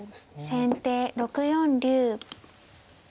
先手６四竜。